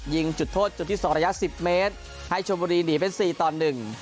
ยิงจุดโทษจนที่ส่อระยะ๑๐เมตรให้โชบุรีหนีเป็น๔ตอน๑